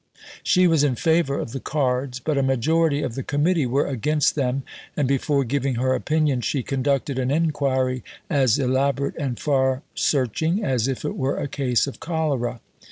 She was in favour of the cards, but a majority of the Committee were against them, and, before giving her opinion, she conducted an inquiry as elaborate and far searching as if it were a case of cholera.